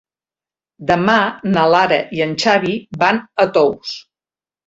Demà na Lara i en Xavi van a Tous.